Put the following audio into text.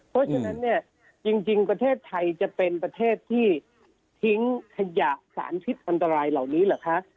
เพราะฉะนั้นเนี่ยจริงประเทศไทยจะเป็นประเทศที่ทิ้งขยะสารพิษอันตรายเหล่านี้เหรอคะ